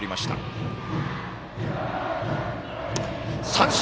三振！